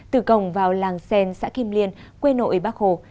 từ cổng vào làng xen xã kim liên quê nội bắc hồ